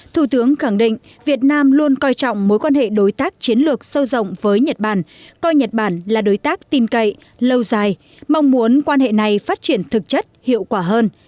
thủ tướng khẳng định việt nam luôn coi trọng mối quan hệ đối tác chiến lược sâu rộng với nhật bản coi nhật bản là đối tác tin cậy lâu dài mong muốn quan hệ này phát triển thực chất hiệu quả hơn